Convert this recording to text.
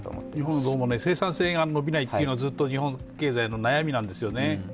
日本は生産性が伸びないというのがずっと日本経済の悩みなんですよね。